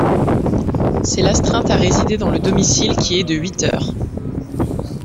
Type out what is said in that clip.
C’est l’astreinte à résider dans le domicile qui est de huit heures.